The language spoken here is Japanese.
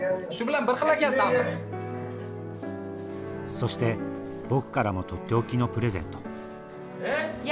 そして僕からも取って置きのプレゼントえ？